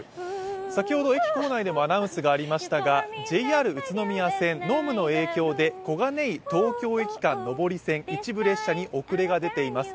先ほど駅構内でもアナウンスがありましたが、ＪＲ宇都宮線、濃霧の影響で小金井−東京駅間、上り線、一部列車に遅れが出ています。